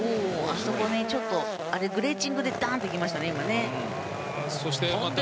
あそこちょっとグレーチングでダンッていきましたね。